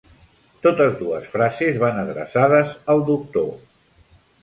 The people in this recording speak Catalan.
Totes dues frases van adreçades al doctor